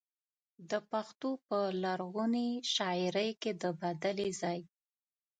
د پښتو په لرغونې شاعرۍ کې د بدلې ځای.